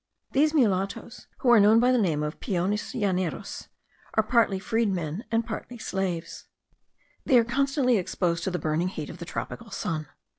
These mulattos, who are known by the name of peones llaneros, are partly freed men and partly slaves. They are constantly exposed to the burning heat of the tropical sun.